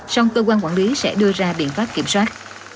song cơ quan quản lý sẽ đưa ra biện pháp kiểm soát